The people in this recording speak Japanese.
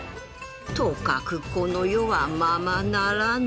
とかくこの世はままならぬ